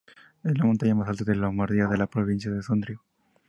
Es la montaña más alta de Lombardía y de la provincia de Sondrio.